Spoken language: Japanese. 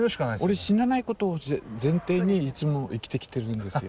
俺死なないことを前提にいつも生きてきてるんですよ。